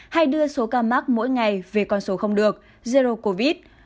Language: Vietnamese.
hay đưa số ca mắc mỗi ngày về con số không được zero covid